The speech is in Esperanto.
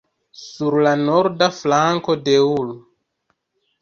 Sur la norda flanko de ul.